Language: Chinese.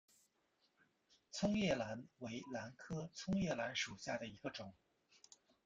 葱叶兰为兰科葱叶兰属下的一个种。